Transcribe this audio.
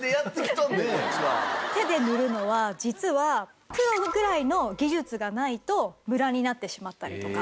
手で塗るのは実はプロぐらいの技術がないとムラになってしまったりとか。